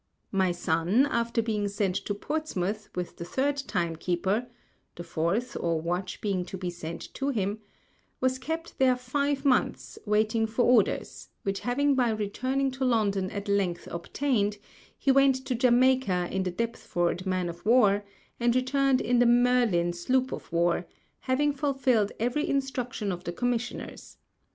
My Son, after being sent to Portsmouth with the third Time keeper (the fourth or Watch being to be sent to him) was kept there five Months, waiting for Orders; which having by returning to London at Length obtained, he went to Jamaica in the Deptford Man of War, and returned in the Merlin Sloop of War, having fulfilled every Instruction of the Commissioners.